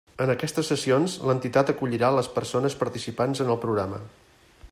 En aquestes sessions, l'entitat acollirà les persones participants en el Programa.